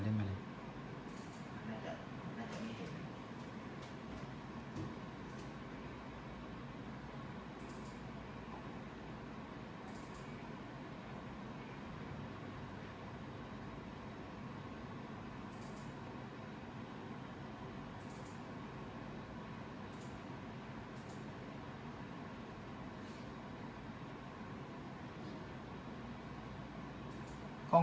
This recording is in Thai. น่าจะมีเห็น